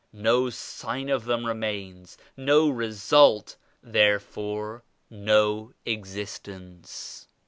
No sign of them remains ; no result, therefore no existence.